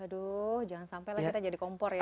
aduh jangan sampai lah kita jadi kompor ya